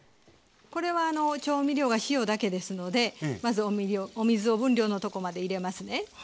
これは調味料が塩だけですのでまずお水を分量のとこまで入れますね。